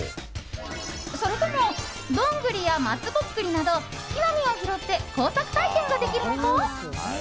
それともドングリや松ぼっくりなど木の実を拾って工作体験ができるのか。